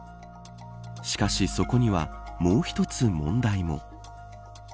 しかしそこにはもう一つ問題も。